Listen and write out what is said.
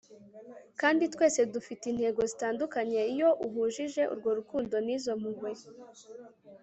kandi twese dufite intego zitandukanye iyo uhujije urwo rukundo n'izo mpuhwe